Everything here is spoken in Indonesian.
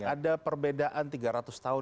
ada perbedaan tiga ratus tahun